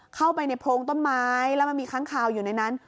เข้าไปในโพรงต้นไม้แล้วมันมีค้างคาวอยู่ในนั้น